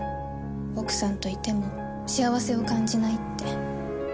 奥さんといても幸せを感じないって。